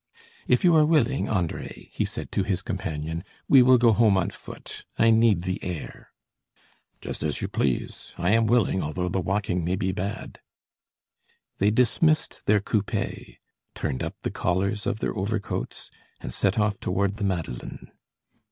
"If you are willing, André," he said to his companion, "we will go home on foot I need the air." "Just as you please, I am willing, although the walking may he bad." They dismissed their coupés, turned up the collars of their overcoats, and set off toward the Madeleine.